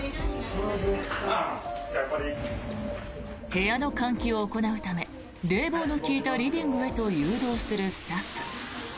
部屋の換気を行うため冷房の利いたリビングへと移動するスタッフ。